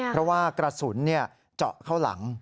เพราะว่ากระสุนเจาะเข้าหลัง